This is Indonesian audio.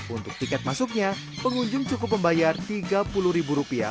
untuk tiket masuknya pengunjung cukup membayar tiga puluh ribu rupiah